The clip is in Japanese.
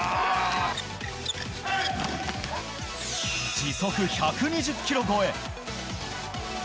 時速１２０キロ超え。